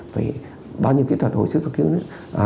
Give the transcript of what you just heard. vì bao nhiêu kỹ thuật hồi sức cập cứu